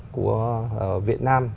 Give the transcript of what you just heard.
của việt nam